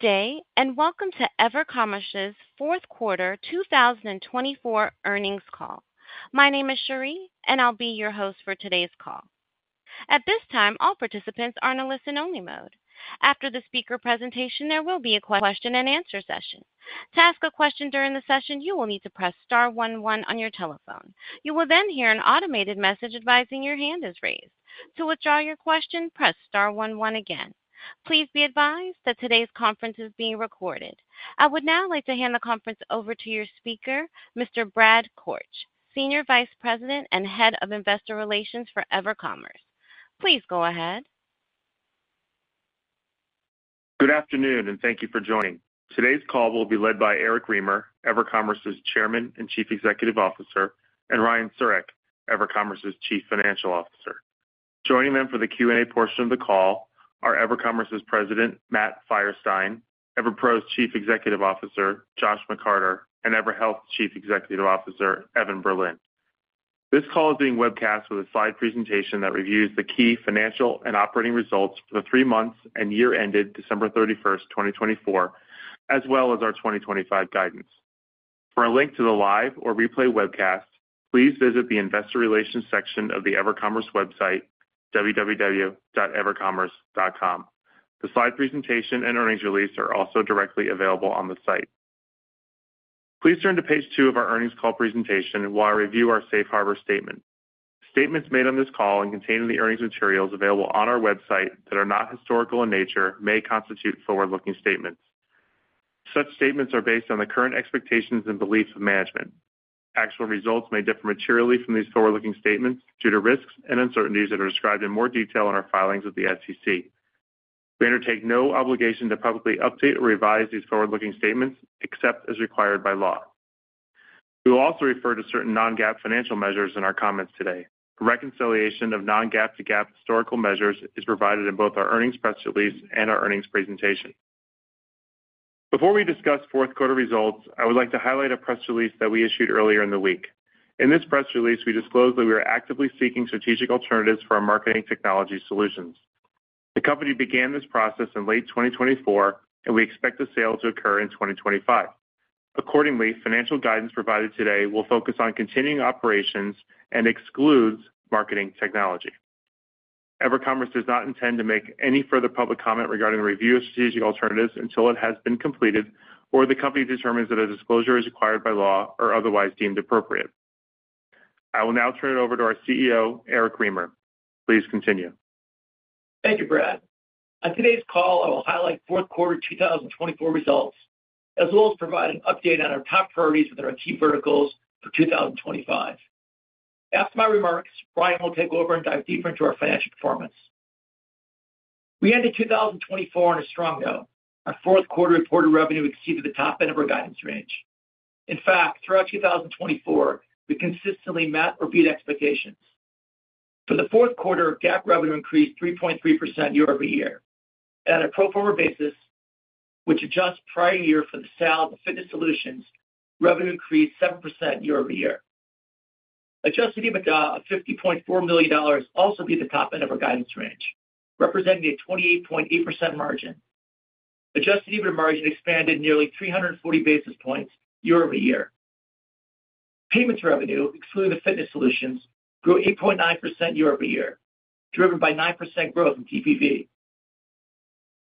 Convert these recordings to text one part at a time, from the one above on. Good day, and welcome to EverCommerce's fourth quarter 2024 earnings call. My name is Cherie, and I'll be your host for today's call. At this time, all participants are in a listen-only mode. After the speaker presentation, there will be a question-and-answer session. To ask a question during the session, you will need to press star one one on your telephone. You will then hear an automated message advising your hand is raised. To withdraw your question, press star one one again. Please be advised that today's conference is being recorded. I would now like to hand the conference over to your speaker, Mr. Brad Korch, Senior Vice President and Head of Investor Relations for EverCommerce. Please go ahead. Good afternoon, and thank you for joining. Today's call will be led by Eric Remer, EverCommerce's Chairman and Chief Executive Officer, and Ryan Siurek, EverCommerce's Chief Financial Officer. Joining them for the Q&A portion of the call are EverCommerce's President, Matt Feierstein, EverPro's Chief Executive Officer, Josh McCarter, and EverHealth Chief Executive Officer, Evan Berlin. This call is being webcast with a slide presentation that reviews the key financial and operating results for the three months and year-ended December 31, 2024, as well as our 2025 guidance. For a link to the live or replay webcast, please visit the Investor Relations section of the EverCommerce website, www.evercommerce.com. The slide presentation and earnings release are also directly available on the site. Please turn to page two of our earnings call presentation while I review our Safe Harbor statement. Statements made on this call and containing the earnings materials available on our website that are not historical in nature may constitute forward-looking statements. Such statements are based on the current expectations and beliefs of management. Actual results may differ materially from these forward-looking statements due to risks and uncertainties that are described in more detail in our filings with the SEC. We undertake no obligation to publicly update or revise these forward-looking statements except as required by law. We will also refer to certain non-GAAP financial measures in our comments today. A reconciliation of non-GAAP to GAAP historical measures is provided in both our earnings press release and our earnings presentation. Before we discuss fourth quarter results, I would like to highlight a press release that we issued earlier in the week. In this press release, we disclose that we are actively seeking strategic alternatives for our Marketing Technology Solutions. The company began this process in late 2024, and we expect the sale to occur in 2025. Accordingly, financial guidance provided today will focus on continuing operations and excludes Marketing Technology. EverCommerce does not intend to make any further public comment regarding the review of strategic alternatives until it has been completed or the company determines that a disclosure is required by law or otherwise deemed appropriate. I will now turn it over to our CEO, Eric Remer. Please continue. Thank you, Brad. On today's call, I will highlight fourth quarter 2024 results, as well as provide an update on our top priorities within our key verticals for 2025. After my remarks, Ryan will take over and dive deeper into our financial performance. We ended 2024 on a strong note. Our fourth quarter reported revenue exceeded the top end of our guidance range. In fact, throughout 2024, we consistently met or beat expectations. For the fourth quarter, GAAP revenue increased 3.3% year over year. On a pro forma basis, which adjusts prior year for the sale of fitness solutions, revenue increased 7% year over year. Adjusted EBITDA of $50.4 million also beat the top end of our guidance range, representing a 28.8% margin. Adjusted EBITDA margin expanded nearly 340 basis points year over year. Payments revenue, excluding the fitness solutions, grew 8.9% year over year, driven by 9% growth in TPV.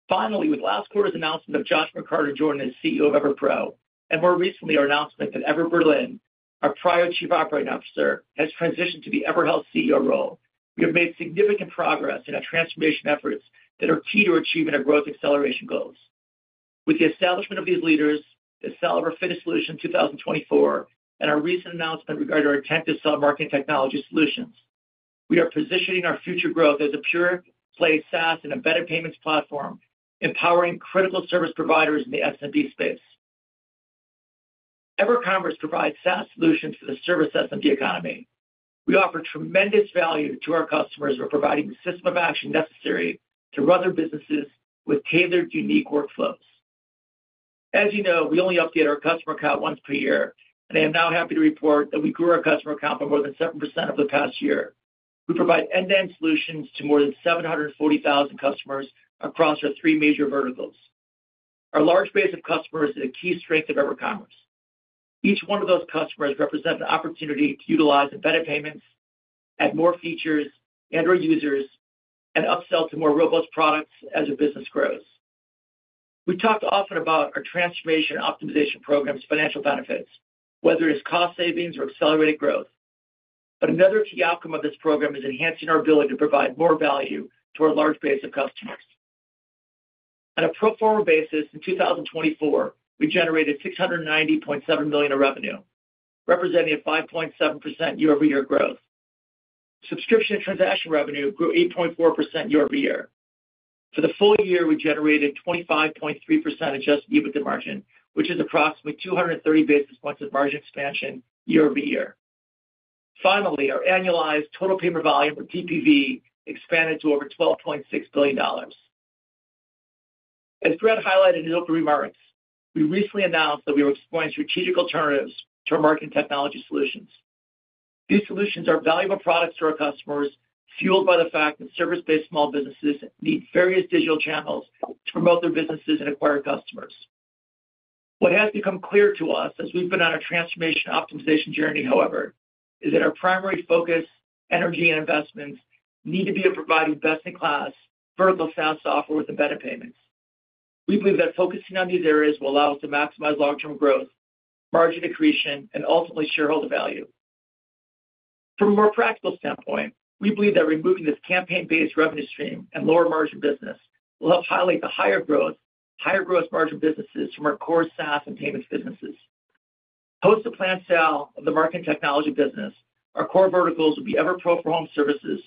Finally, with last quarter's announcement of Josh McCarter joining as CEO of EverPro, and more recently our announcement that Evan Berlin, our prior Chief Operating Officer, has transitioned to the EverHealth CEO role, we have made significant progress in our transformation efforts that are key to achieving our growth acceleration goals. With the establishment of these leaders, the sale of our fitness solutions in 2024, and our recent announcement regarding our intent to sell Marketing Technology Solutions, we are positioning our future growth as a pure-play SaaS and embedded payments platform, empowering critical service providers in the SMB space. EverCommerce provides SaaS solutions for the service SMB economy. We offer tremendous value to our customers by providing the system of action necessary to run their businesses with tailored, unique workflows. As you know, we only update our customer count once per year, and I am now happy to report that we grew our customer count by more than 7% over the past year. We provide end-to-end solutions to more than 740,000 customers across our three major verticals. Our large base of customers is a key strength of EverCommerce. Each one of those customers represents an opportunity to utilize embedded payments, add more features and/or users, and upsell to more robust products as your business grows. We talked often about our transformation and optimization program's financial benefits, whether it's cost savings or accelerated growth. Another key outcome of this program is enhancing our ability to provide more value to our large base of customers. On a pro forma basis, in 2024, we generated $690.7 million in revenue, representing a 5.7% year-over-year growth. Subscription and transaction revenue grew 8.4% year over year. For the full year, we generated 25.3% adjusted EBITDA margin, which is approximately 230 basis points of margin expansion year over year. Finally, our annualized total payment volume with TPV expanded to over $12.6 billion. As Brad highlighted in his open remarks, we recently announced that we were exploring strategic alternatives to our Marketing Technology Solutions. These solutions are valuable products to our customers, fueled by the fact that service-based small businesses need various digital channels to promote their businesses and acquire customers. What has become clear to us as we've been on our transformation optimization journey, however, is that our primary focus, energy, and investments need to be on providing best-in-class vertical SaaS software with embedded payments. We believe that focusing on these areas will allow us to maximize long-term growth, margin accretion, and ultimately shareholder value. From a more practical standpoint, we believe that removing this campaign-based revenue stream and lower margin business will help highlight the higher growth, higher gross margin businesses from our core SaaS and payments businesses. Post the planned sale of the Marketing Technology business, our core verticals will be EverPro for home services,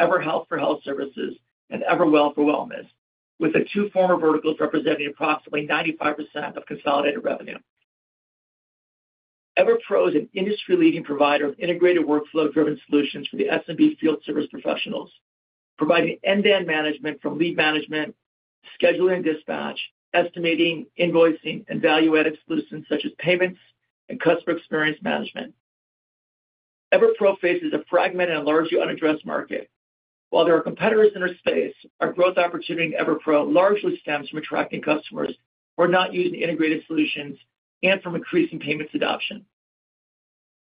EverHealth for health services, and EverWell for wellness, with the two former verticals representing approximately 95% of consolidated revenue. EverPro is an industry-leading provider of integrated workflow-driven solutions for the SMB field service professionals, providing end-to-end management from lead management, scheduling and dispatch, estimating, invoicing, and value-added solutions such as payments and customer experience management. EverPro faces a fragmented and largely unaddressed market. While there are competitors in our space, our growth opportunity in EverPro largely stems from attracting customers who are not using integrated solutions and from increasing payments adoption.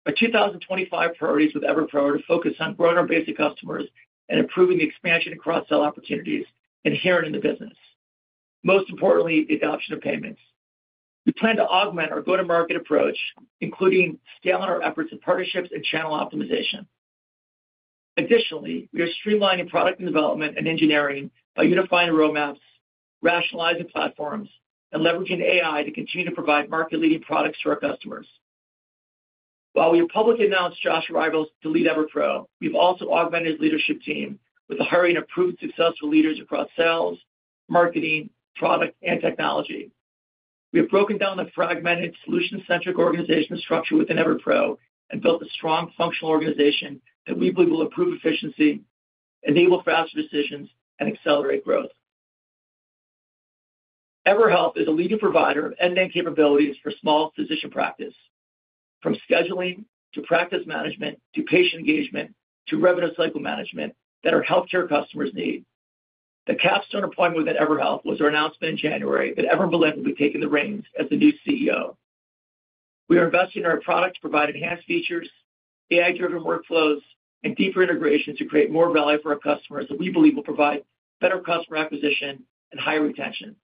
Our 2025 priorities with EverPro are to focus on growing our basic customers and improving the expansion and cross-sell opportunities inherent in the business. Most importantly, the adoption of payments. We plan to augment our go-to-market approach, including scaling our efforts in partnerships and channel optimization. Additionally, we are streamlining product development and engineering by unifying the roadmaps, rationalizing platforms, and leveraging AI to continue to provide market-leading products to our customers. While we have publicly announced Josh McCarter's to lead EverPro, we've also augmented his leadership team with the hiring of proven successful leaders across sales, marketing, product, and technology. We have broken down the fragmented solution-centric organizational structure within EverPro and built a strong functional organization that we believe will improve efficiency, enable faster decisions, and accelerate growth. EverHealth is a leading provider of end-to-end capabilities for small physician practice. From scheduling to practice management to patient engagement to revenue cycle management that our healthcare customers need. The capstone appointment within EverHealth was our announcement in January that Evan Berlin will be taking the reins as the new CEO. We are investing in our product to provide enhanced features, AI-driven workflows, and deeper integrations to create more value for our customers that we believe will provide better customer acquisition and higher retention.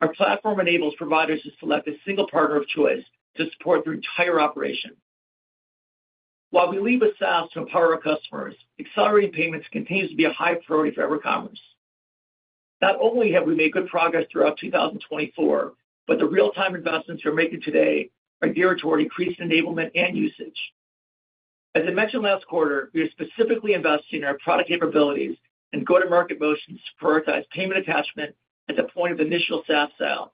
Our platform enables providers to select a single partner of choice to support their entire operation. While we lead with SaaS to empower our customers, accelerating payments continues to be a high priority for EverCommerce. Not only have we made good progress throughout 2024, but the real-time investments we are making today are geared toward increased enablement and usage. As I mentioned last quarter, we are specifically investing in our product capabilities and go-to-market motions to prioritize payment attachment at the point of initial SaaS sale,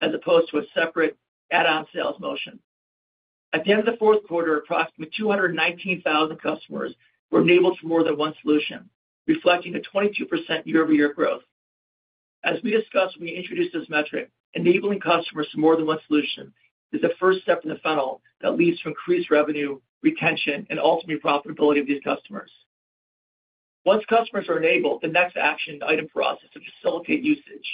as opposed to a separate add-on sales motion. At the end of the fourth quarter, approximately 219,000 customers were enabled for more than one solution, reflecting a 22% year-over-year growth. As we discussed when we introduced this metric, enabling customers to more than one solution is the first step in the funnel that leads to increased revenue, retention, and ultimately profitability of these customers. Once customers are enabled, the next action item for us is to facilitate usage.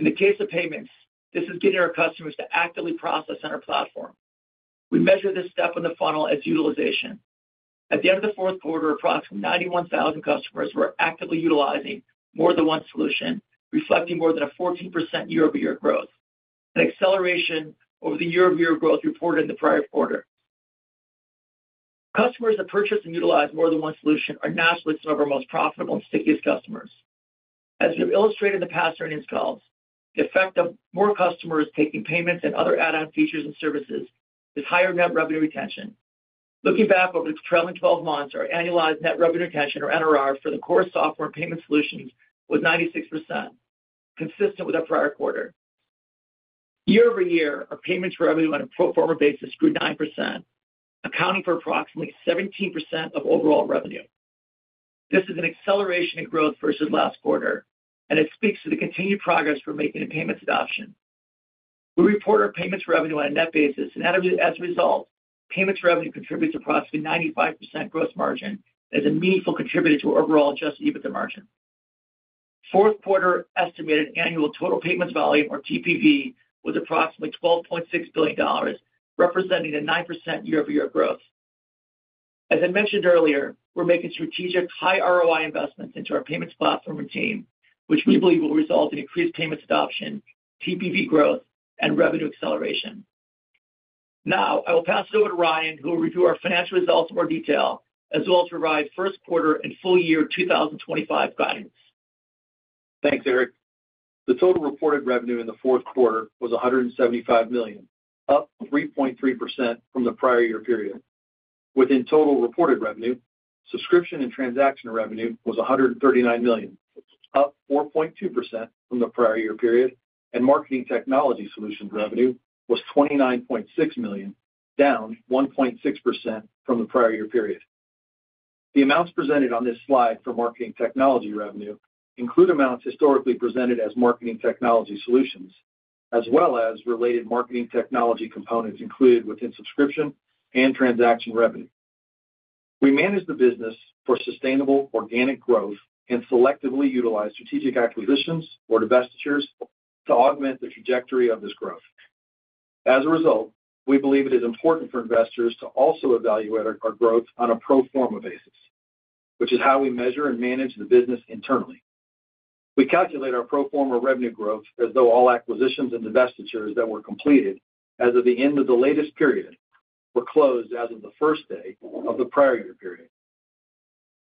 In the case of payments, this is getting our customers to actively process on our platform. We measure this step in the funnel as utilization. At the end of the fourth quarter, approximately 91,000 customers were actively utilizing more than one solution, reflecting more than a 14% year-over-year growth, an acceleration over the year-over-year growth reported in the prior quarter. Customers that purchase and utilize more than one solution are naturally some of our most profitable and stickiest customers. As we have illustrated in the past earnings calls, the effect of more customers taking payments and other add-on features and services is higher net revenue retention. Looking back over the trailing 12 months, our annualized net revenue retention, or NRR, for the core software and payment solutions was 96%, consistent with our prior quarter. Year over year, our payments revenue on a pro forma basis grew 9%, accounting for approximately 17% of overall revenue. This is an acceleration in growth versus last quarter, and it speaks to the continued progress we're making in payments adoption. We report our payments revenue on a net basis, and as a result, payments revenue contributes approximately 95% gross margin as a meaningful contributor to our overall adjusted EBITDA margin. Fourth quarter estimated annual total payments volume, or TPV, was approximately $12.6 billion, representing a 9% year-over-year growth. As I mentioned earlier, we're making strategic high ROI investments into our payments platform and team, which we believe will result in increased payments adoption, TPV growth, and revenue acceleration. Now, I will pass it over to Ryan, who will review our financial results in more detail, as well as provide first quarter and full year 2025 guidance. Thanks, Eric. The total reported revenue in the fourth quarter was $175 million, up 3.3% from the prior year period. Within total reported revenue, subscription and transaction revenue was $139 million, up 4.2% from the prior year period, and Marketing Technology Solutions revenue was $29.6 million, down 1.6% from the prior year period. The amounts presented on this slide for Marketing Technology revenue include amounts historically presented as Marketing Technology Solutions, as well as related Marketing Technology components included within subscription and transaction revenue. We manage the business for sustainable organic growth and selectively utilize strategic acquisitions or divestitures to augment the trajectory of this growth. As a result, we believe it is important for investors to also evaluate our growth on a pro forma basis, which is how we measure and manage the business internally. We calculate our pro forma revenue growth as though all acquisitions and divestitures that were completed as of the end of the latest period were closed as of the first day of the prior year period.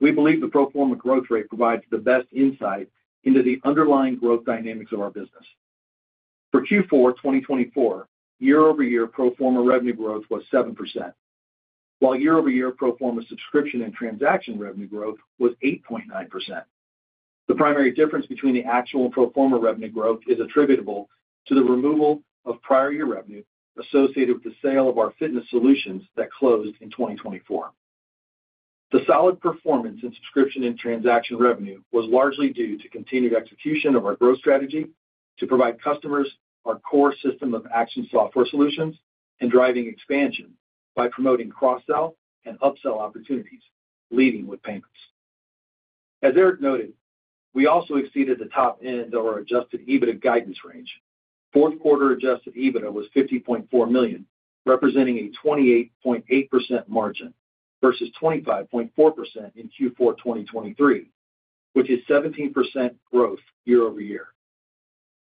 We believe the pro forma growth rate provides the best insight into the underlying growth dynamics of our business. For Q4 2024, year-over-year pro forma revenue growth was 7%, while year-over-year pro forma subscription and transaction revenue growth was 8.9%. The primary difference between the actual and pro forma revenue growth is attributable to the removal of prior year revenue associated with the sale of our fitness solutions that closed in 2024. The solid performance in subscription and transaction revenue was largely due to continued execution of our growth strategy to provide customers our core system of action software solutions and driving expansion by promoting cross-sell and upsell opportunities, leading with payments. As Eric noted, we also exceeded the top end of our adjusted EBITDA guidance range. Fourth quarter adjusted EBITDA was $50.4 million, representing a 28.8% margin versus 25.4% in Q4 2023, which is 17% growth year over year.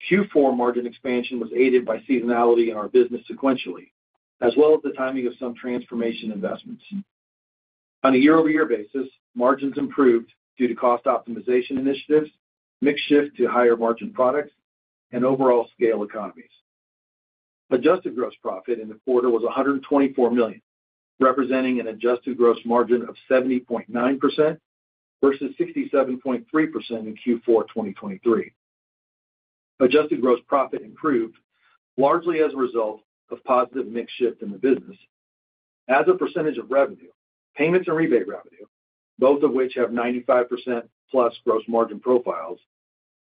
Q4 margin expansion was aided by seasonality in our business sequentially, as well as the timing of some transformation investments. On a year-over-year basis, margins improved due to cost optimization initiatives, mix shift to higher margin products, and overall scale economies. Adjusted gross profit in the quarter was $124 million, representing an adjusted gross margin of 70.9% versus 67.3% in Q4 2023. Adjusted gross profit improved largely as a result of positive mix shift in the business. As a percentage of revenue, payments and rebate revenue, both of which have 95% plus gross margin profiles,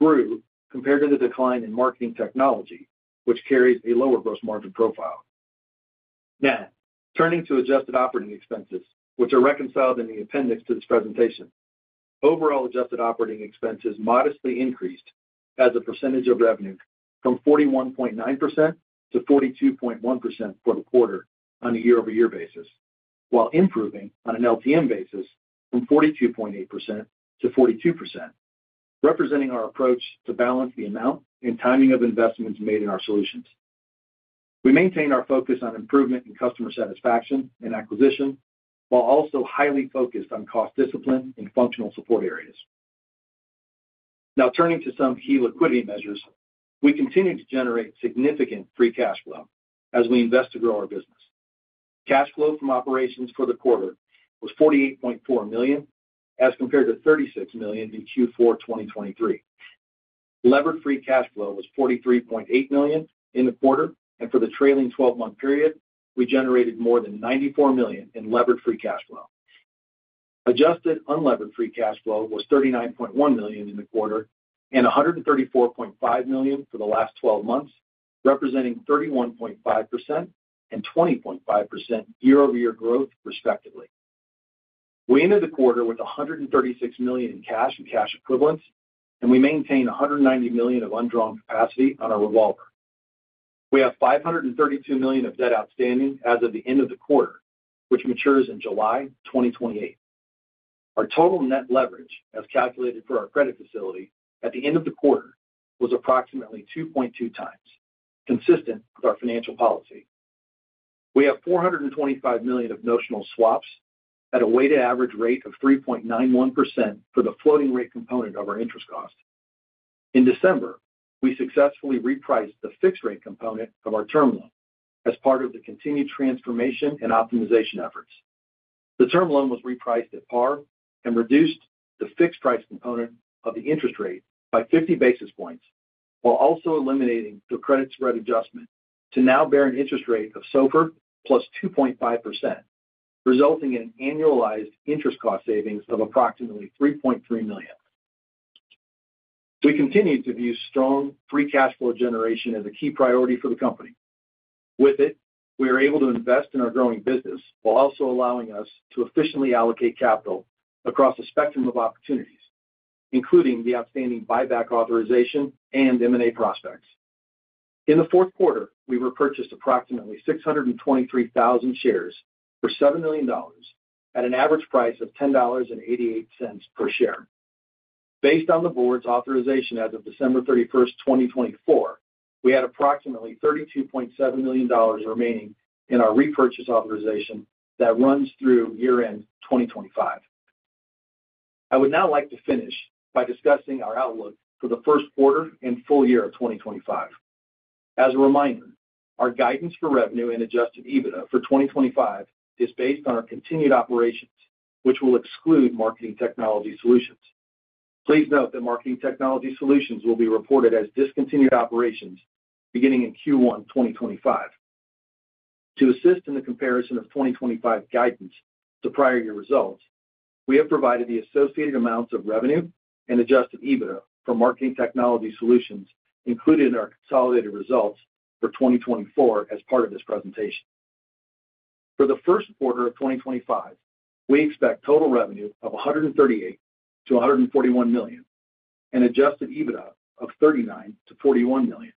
grew compared to the decline in Marketing Technology, which carries a lower gross margin profile. Now, turning to adjusted operating expenses, which are reconciled in the appendix to this presentation, overall adjusted operating expenses modestly increased as a percentage of revenue from 41.9%-42.1% for the quarter on a year-over-year basis, while improving on an LTM basis from 42.8%-42%, representing our approach to balance the amount and timing of investments made in our solutions. We maintain our focus on improvement in customer satisfaction and acquisition, while also highly focused on cost discipline and functional support areas. Now, turning to some key liquidity measures, we continue to generate significant free cash flow as we invest to grow our business. Cash flow from operations for the quarter was $48.4 million as compared to $36 million in Q4 2023. Levered free cash flow was $43.8 million in the quarter, and for the trailing 12-month period, we generated more than $94 million in levered free cash flow. Adjusted unlevered free cash flow was $39.1 million in the quarter and $134.5 million for the last 12 months, representing 31.5% and 20.5% year-over-year growth, respectively. We ended the quarter with $136 million in cash and cash equivalents, and we maintain $190 million of undrawn capacity on our revolver. We have $532 million of debt outstanding as of the end of the quarter, which matures in July 2028. Our total net leverage, as calculated for our credit facility at the end of the quarter, was approximately 2.2 times, consistent with our financial policy. We have $425 million of notional swaps at a weighted average rate of 3.91% for the floating rate component of our interest cost. In December, we successfully repriced the fixed rate component of our term loan as part of the continued transformation and optimization efforts. The term loan was repriced at par and reduced the fixed price component of the interest rate by 50 basis points, while also eliminating the credit spread adjustment to now bear an interest rate of SOFR +2.5%, resulting in an annualized interest cost savings of approximately $3.3 million. We continue to view strong free cash flow generation as a key priority for the company. With it, we are able to invest in our growing business while also allowing us to efficiently allocate capital across a spectrum of opportunities, including the outstanding buyback authorization and M&A prospects. In the fourth quarter, we repurchased approximately 623,000 shares for $7 million at an average price of $10.88 per share. Based on the board's authorization as of December 31, 2024, we had approximately $32.7 million remaining in our repurchase authorization that runs through year-end 2025. I would now like to finish by discussing our outlook for the first quarter and full year of 2025. As a reminder, our guidance for revenue and adjusted EBITDA for 2025 is based on our continued operations, which will exclude Marketing Technology Solutions. Please note that Marketing Technology Solutions will be reported as discontinued operations beginning in Q1 2025. To assist in the comparison of 2025 guidance to prior year results, we have provided the associated amounts of revenue and adjusted EBITDA for Marketing Technology Solutions included in our consolidated results for 2024 as part of this presentation. For the first quarter of 2025, we expect total revenue of $138 million-$141 million and adjusted EBITDA of $39 million-$41 million.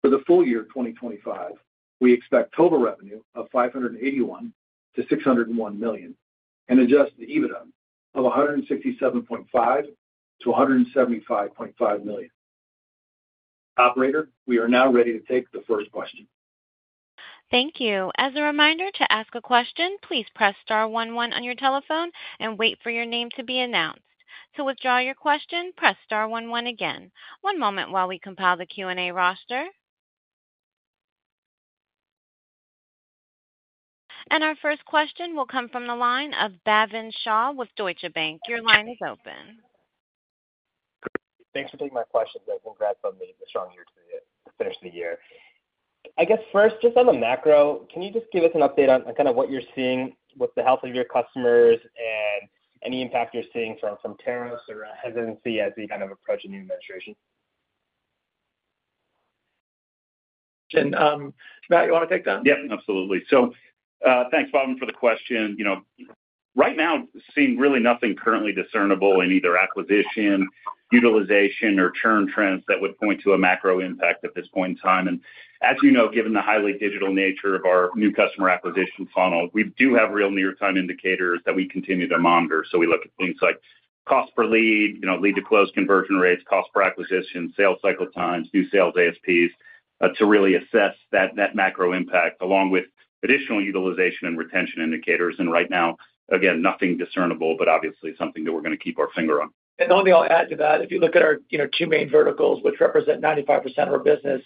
For the full year 2025, we expect total revenue of $581 million-$601 million and adjusted EBITDA of $167.5 million-$175.5 million. Operator, we are now ready to take the first question. Thank you. As a reminder to ask a question, please press star one one on your telephone and wait for your name to be announced. To withdraw your question, press star one one again. One moment while we compile the Q&A roster. Our first question will come from the line of Bhavin Shah with Deutsche Bank. Your line is open. Thanks for taking my question. Congrats on a strong year to finish the year. I guess first, just on the macro, can you just give us an update on kind of what you're seeing with the health of your customers and any impact you're seeing from tariffs or hesitancy as you kind of approach a new administration? Yeah, Matt, you want to take that? Yep, absolutely. Thanks, Bhavin, for the question. Right now, seeing really nothing currently discernible in either acquisition, utilization, or churn trends that would point to a macro impact at this point in time. As you know, given the highly digital nature of our new customer acquisition funnel, we do have real near-time indicators that we continue to monitor. We look at things like cost per lead, lead-to-close conversion rates, cost per acquisition, sales cycle times, new sales ASPs to really assess that macro impact along with additional utilization and retention indicators. Right now, again, nothing discernible, but obviously something that we're going to keep our finger on. The only thing I'll add to that, if you look at our two main verticals, which represent 95% of our business,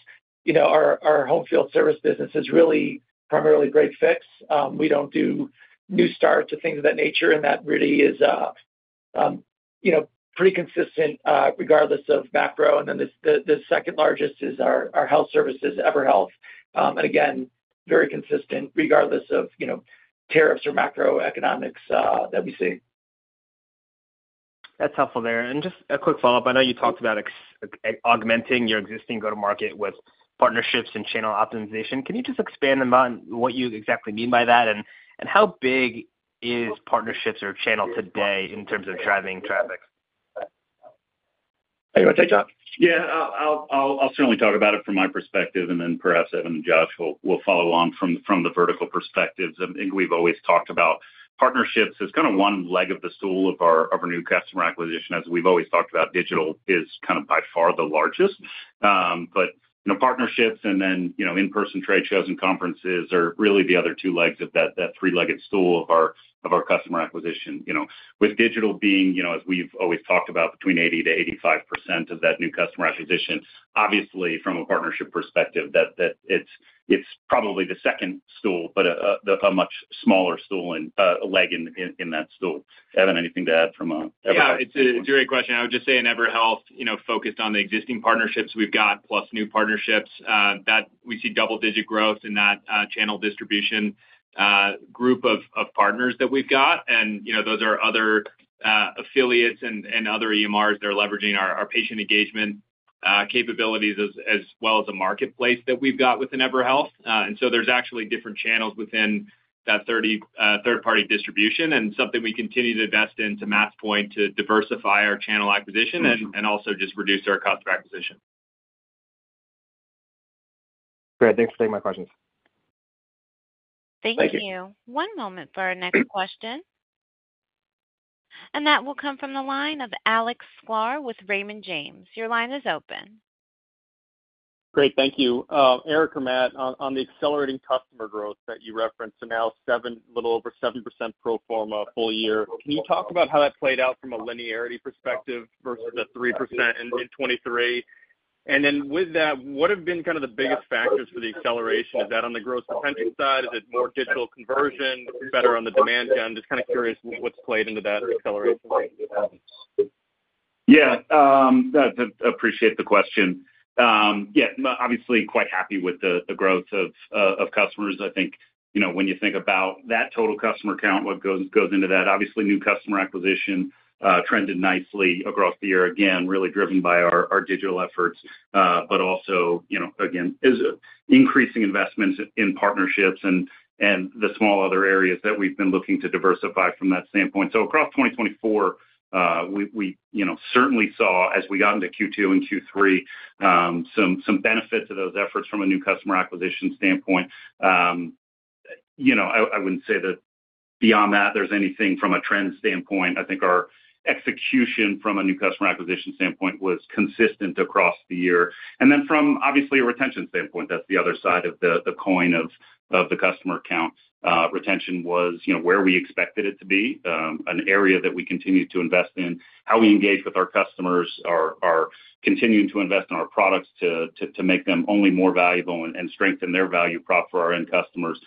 our home field service business is really primarily break/fix. We don't do new starts or things of that nature, and that really is pretty consistent regardless of macro. The second largest is our health services, EverHealth. Again, very consistent regardless of tariffs or macroeconomics that we see. That's helpful there. Just a quick follow-up. I know you talked about augmenting your existing go-to-market with partnerships and channel optimization. Can you just expand on what you exactly mean by that, and how big is partnerships or channel today in terms of driving traffic? Anyone take that? Yeah, I'll certainly talk about it from my perspective, and then perhaps Evan and Josh will follow on from the vertical perspectives. I think we've always talked about partnerships as kind of one leg of the stool of our new customer acquisition, as we've always talked about digital is kind of by far the largest. Partnerships and then in-person trade shows and conferences are really the other two legs of that three-legged stool of our customer acquisition. With digital being, as we've always talked about, between 80-85% of that new customer acquisition, obviously from a partnership perspective, it's probably the second stool, but a much smaller stool and leg in that stool. Evan, anything to add from EverHealth? Yeah, it's a great question. I would just say in EverHealth, focused on the existing partnerships we've got plus new partnerships, we see double-digit growth in that channel distribution group of partners that we've got. Those are other affiliates and other EMRs that are leveraging our patient engagement capabilities as well as a marketplace that we've got within EverHealth. There are actually different channels within that third-party distribution and something we continue to invest into, to Matt's point, to diversify our channel acquisition and also just reduce our cost of acquisition. Great. Thanks for taking my questions. Thank you. One moment for our next question. That will come from the line of Alex Sklar with Raymond James. Your line is open. Great. Thank you. Eric or Matt, on the accelerating customer growth that you referenced, so now a little over 7% pro forma full year, can you talk about how that played out from a linearity perspective versus the 3% in 2023? With that, what have been kind of the biggest factors for the acceleration? Is that on the growth potential side? Is it more digital conversion? Better on the demand gen? Just kind of curious what's played into that acceleration. Yeah, I appreciate the question. Yeah, obviously quite happy with the growth of customers. I think when you think about that total customer count, what goes into that, obviously new customer acquisition trended nicely across the year, again, really driven by our digital efforts, but also, again, increasing investments in partnerships and the small other areas that we've been looking to diversify from that standpoint. Across 2024, we certainly saw, as we got into Q2 and Q3, some benefit to those efforts from a new customer acquisition standpoint. I wouldn't say that beyond that there's anything from a trend standpoint. I think our execution from a new customer acquisition standpoint was consistent across the year. From obviously a retention standpoint, that's the other side of the coin of the customer count. Retention was where we expected it to be, an area that we continue to invest in, how we engage with our customers, are continuing to invest in our products to make them only more valuable and strengthen their value prop for our end customers.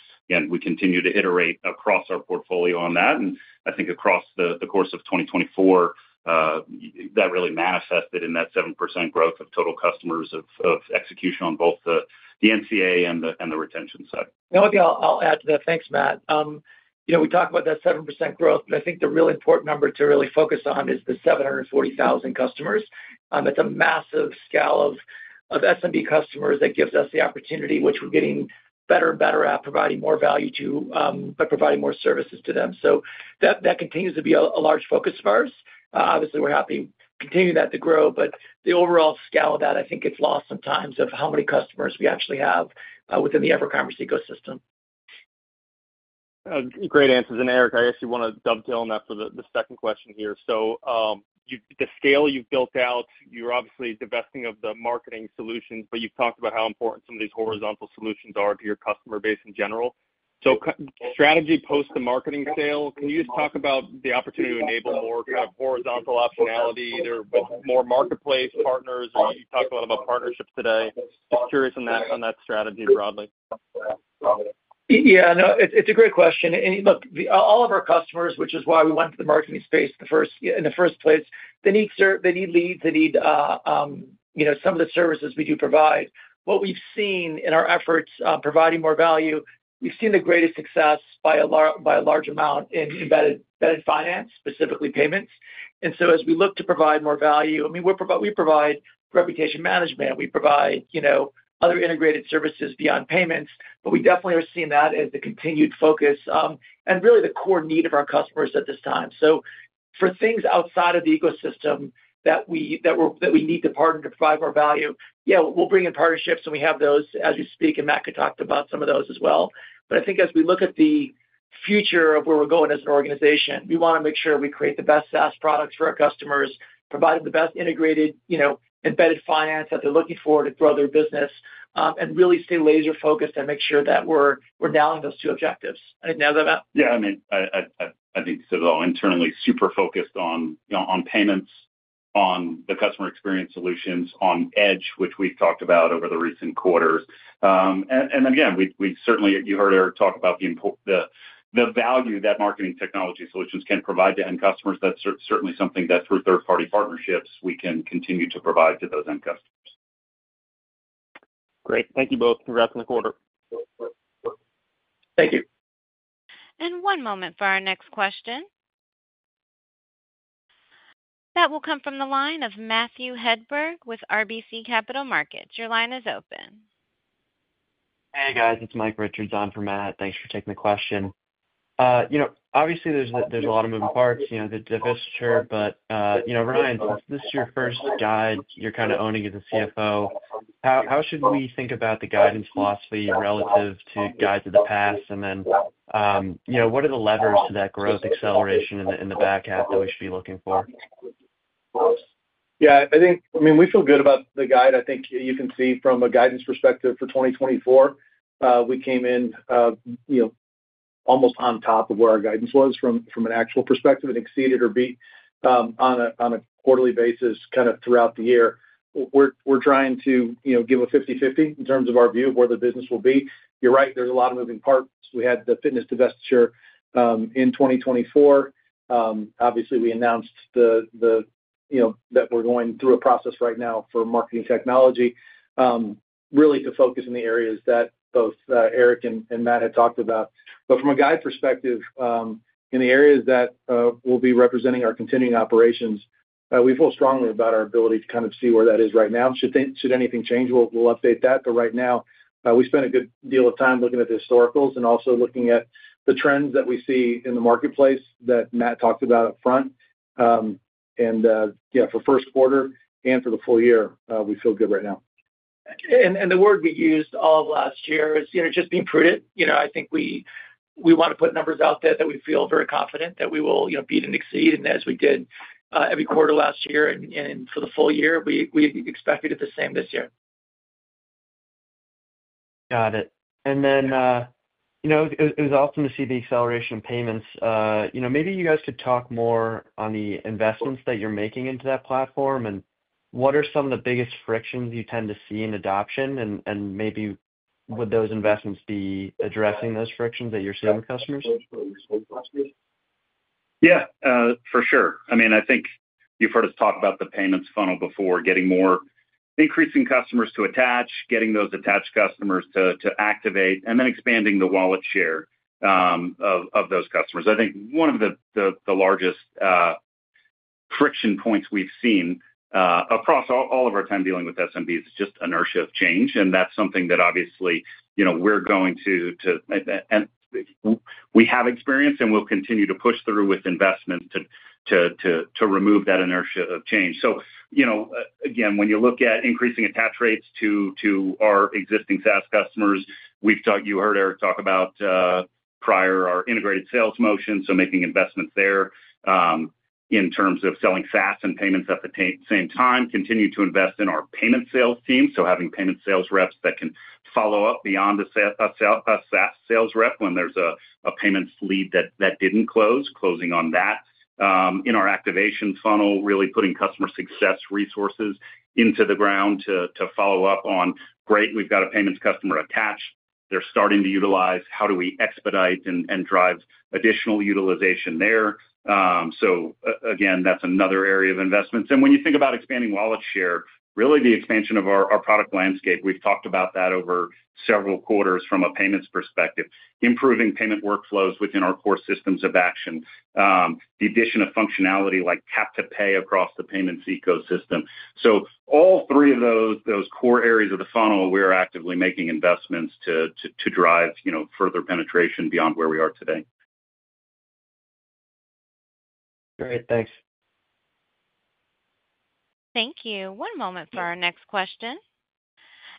We continue to iterate across our portfolio on that. I think across the course of 2024, that really manifested in that 7% growth of total customers of execution on both the NCA and the retention side. I'll add to that. Thanks, Matt. We talked about that 7% growth, but I think the really important number to really focus on is the 740,000 customers. It's a massive scale of SMB customers that gives us the opportunity, which we're getting better and better at providing more value to by providing more services to them. That continues to be a large focus of ours. Obviously, we're happy continuing that to grow, but the overall scale of that, I think it's lost sometimes of how many customers we actually have within the EverCommerce ecosystem. Great answers. Eric, I guess you want to dovetail on that for the second question here. The scale you've built out, you're obviously divesting of the marketing solutions, but you've talked about how important some of these horizontal solutions are to your customer base in general. Strategy post the marketing sale, can you just talk about the opportunity to enable more kind of horizontal optionality either with more marketplace partners? You talked a lot about partnerships today. Just curious on that strategy broadly. Yeah, no, it's a great question. Look, all of our customers, which is why we went to the marketing space in the first place, they need leads, they need some of the services we do provide. What we've seen in our efforts providing more value, we've seen the greatest success by a large amount in embedded finance, specifically payments. As we look to provide more value, I mean, we provide reputation management, we provide other integrated services beyond payments, but we definitely are seeing that as the continued focus and really the core need of our customers at this time. For things outside of the ecosystem that we need to partner to provide more value, yeah, we'll bring in partnerships and we have those as we speak. Matt could talk about some of those as well. I think as we look at the future of where we're going as an organization, we want to make sure we create the best SaaS products for our customers, provide them the best integrated embedded finance that they're looking for to grow their business, and really stay laser-focused and make sure that we're nailing those two objectives. I didn't nail that, Matt? Yeah, I mean, I think this is all internally super focused on payments, on the customer experience solutions, on edge, which we've talked about over the recent quarters. I mean, you certainly heard Eric talk about the value that Marketing Technology Solutions can provide to end customers. That's certainly something that through third-party partnerships, we can continue to provide to those end customers. Great. Thank you both. Congrats on the quarter. Thank you. One moment for our next question. That will come from the line of Matthew Hedberg with RBC Capital Markets. Your line is open. Hey, guys. It's Mike Richards on for Matt. Thanks for taking the question. Obviously, there's a lot of moving parts, the divestiture, but Ryan, since this is your first guide, you're kind of owning as a CFO, how should we think about the guidance philosophy relative to guides of the past? What are the levers to that growth acceleration in the back half that we should be looking for? Yeah, I mean, we feel good about the guide. I think you can see from a guidance perspective for 2024, we came in almost on top of where our guidance was from an actual perspective. It exceeded or beat on a quarterly basis kind of throughout the year. We're trying to give a 50/50 in terms of our view of where the business will be. You're right, there's a lot of moving parts. We had the fitness divestiture in 2024. Obviously, we announced that we're going through a process right now for Marketing Technology, really to focus in the areas that both Eric and Matt had talked about. From a guide perspective, in the areas that will be representing our continuing operations, we feel strongly about our ability to kind of see where that is right now. Should anything change, we'll update that. Right now, we spent a good deal of time looking at the historicals and also looking at the trends that we see in the marketplace that Matt talked about upfront. Yeah, for first quarter and for the full year, we feel good right now. The word we used all of last year is just being prudent. I think we want to put numbers out there that we feel very confident that we will beat and exceed. As we did every quarter last year and for the full year, we expected it the same this year. Got it. It was awesome to see the acceleration of payments. Maybe you guys could talk more on the investments that you're making into that platform. What are some of the biggest frictions you tend to see in adoption? Maybe would those investments be addressing those frictions that you're seeing with customers? Yeah, for sure. I mean, I think you've heard us talk about the payments funnel before, getting more increasing customers to attach, getting those attached customers to activate, and then expanding the wallet share of those customers. I think one of the largest friction points we've seen across all of our time dealing with SMBs is just inertia of change. That's something that obviously we're going to, and we have experience and we'll continue to push through with investments to remove that inertia of change. Again, when you look at increasing attach rates to our existing SaaS customers, you heard Eric talk about prior our integrated sales motion, making investments there in terms of selling SaaS and payments at the same time, continue to invest in our payment sales team. Having payment sales reps that can follow up beyond a SaaS sales rep when there's a payments lead that didn't close, closing on that in our activation funnel, really putting customer success resources into the ground to follow up on, "Great, we've got a payments customer attached. They're starting to utilize. How do we expedite and drive additional utilization there?" Again, that's another area of investments. When you think about expanding wallet share, really the expansion of our product landscape, we've talked about that over several quarters from a payments perspective, improving payment workflows within our core systems of action, the addition of functionality like tap-to-pay across the payments ecosystem. All three of those core areas of the funnel, we're actively making investments to drive further penetration beyond where we are today. Great. Thanks. Thank you. One moment for our next question.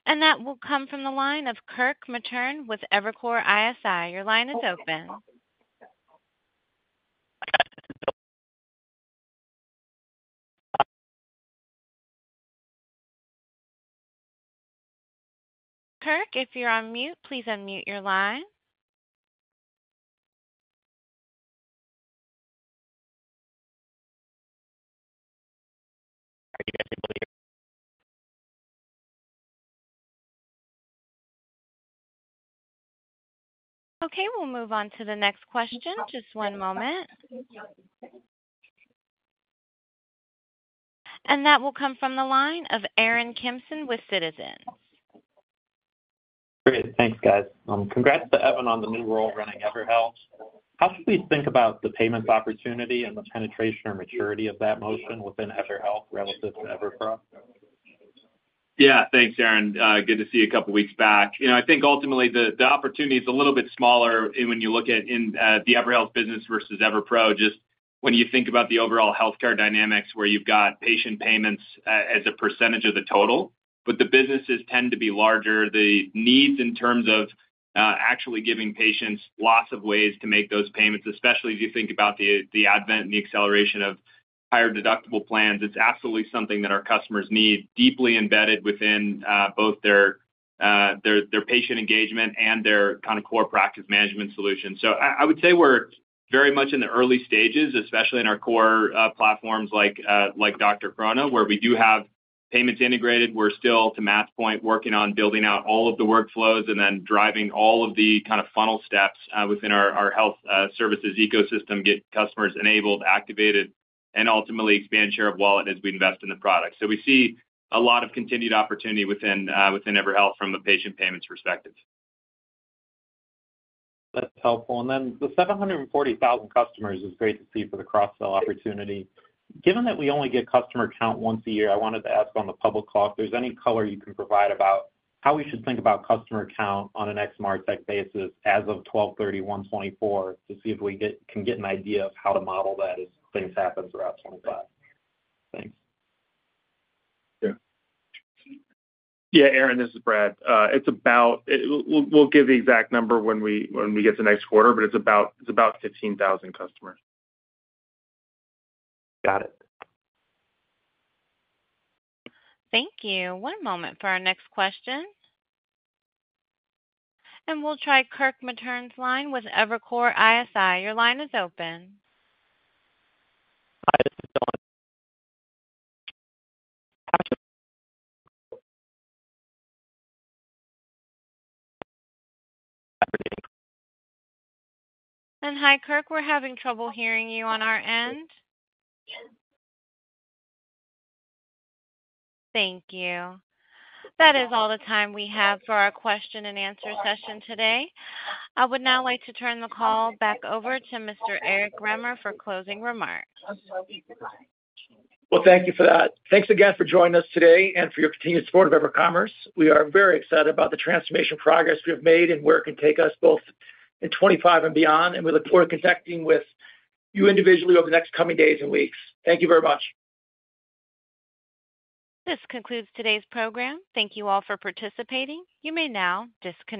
That will come from the line of Kirk Materne with Evercore ISI. Your line is open. Kirk, if you're on mute, please unmute your line. Okay. We'll move on to the next question. Just one moment. That will come from the line of Aaron Kimson with Citizens. Great. Thanks, guys. Congrats to Evan on the new role running EverHealth. How should we think about the payments opportunity and the penetration or maturity of that motion within EverHealth relative to EverPro? Yeah, thanks, Aaron. Good to see you a couple of weeks back. I think ultimately the opportunity is a little bit smaller when you look at the EverHealth business versus EverPro, just when you think about the overall healthcare dynamics where you've got patient payments as a percentage of the total. The businesses tend to be larger. The needs in terms of actually giving patients lots of ways to make those payments, especially as you think about the advent and the acceleration of higher deductible plans, it's absolutely something that our customers need deeply embedded within both their patient engagement and their kind of core practice management solution. I would say we're very much in the early stages, especially in our core platforms like DrChrono, where we do have payments integrated. We're still, to Matt's point, working on building out all of the workflows and then driving all of the kind of funnel steps within our health services ecosystem, get customers enabled, activated, and ultimately expand share of wallet as we invest in the product. We see a lot of continued opportunity within EverHealth from a patient payments perspective. That's helpful. The 740,000 customers is great to see for the cross-sell opportunity. Given that we only get customer count once a year, I wanted to ask on the public call if there's any color you can provide about how we should think about customer count on an XMRTech basis as of 12/30/2024 to see if we can get an idea of how to model that as things happen throughout 2025. Thanks. Yeah. Yeah, Aaron, this is Brad. We'll give the exact number when we get to next quarter, but it's about 15,000 customers. Got it. Thank you. One moment for our next question. We will try Kirk Materne's line with Evercore ISI. Your line is open. Hi, Kirk. We are having trouble hearing you on our end. Thank you. That is all the time we have for our question and answer session today. I would now like to turn the call back over to Mr. Eric Remer for closing remarks. Thank you for that. Thanks again for joining us today and for your continued support of EverCommerce. We are very excited about the transformation progress we have made and where it can take us both in 2025 and beyond. We look forward to connecting with you individually over the next coming days and weeks. Thank you very much. This concludes today's program. Thank you all for participating. You may now disconnect.